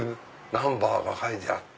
ナンバーが書いてあって。